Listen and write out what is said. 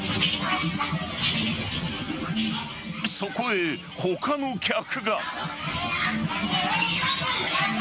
そこへ他の客が。